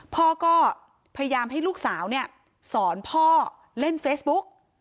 พ่อก็พยายามให้ลูกสาวเนี่ยสอนพ่อเล่นเฟซบุ๊ก